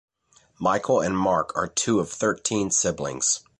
Michael and Mark are two of thirteen siblings.